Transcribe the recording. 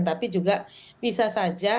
tapi juga bisa saja